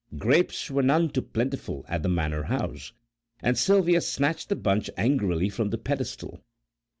Grapes were none too plentiful at the manor house, and Sylvia snatched the bunch angrily from the pedestal.